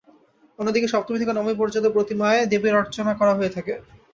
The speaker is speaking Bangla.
অন্যদিকে সপ্তমী থেকে নবমী পর্যন্ত প্রতিমায় দেবীর অর্চনা করা হয়ে থাকে।